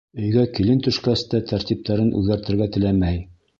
Өйгә килен төшкәс тә тәртиптәрен үҙгәртергә теләмәй.